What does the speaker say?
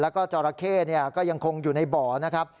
แล้วก็จราเข้ก็ยังคงอยู่ในบ่อนะครับ